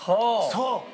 そう！